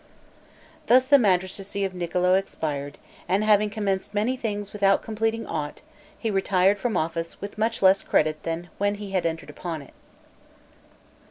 Thus the magistracy of Niccolo expired; and having commenced many things without completing aught, he retired from office with much less credit than when he had entered upon it.